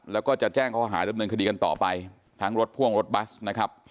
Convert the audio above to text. แล้วก็จะแจ้งเขาหาดำเนินคดีกันต่อไปทั้งรถพ่วงรถบัสนะครับ